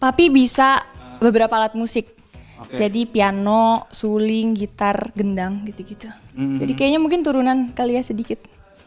tapi bisa beberapa alat musik jadi piano suling gitar gendang gitu gitu jadi kayaknya mungkin turunan kali ya sedikit